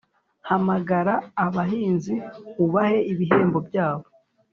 Hamagara abahinzi ubahe ibihembo byabo